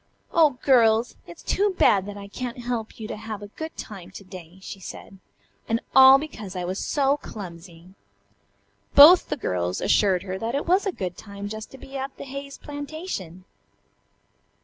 "Oh, girls! It's too bad that I can't help you to have a good time to day," she said, "and all because I was so clumsy." Both the girls assured her that it was a good time just to be at the Hayes plantation.